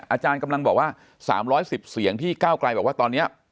อาจารย์กำลังบอกว่า๓๑๐เสียงที่ก้าวไกลบอกว่าตอนนี้